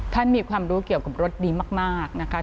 ท่านมีความรู้เกี่ยวกับรถดีมากนะคะ